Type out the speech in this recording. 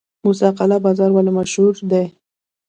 موسی قلعه بازار ولې مشهور دی؟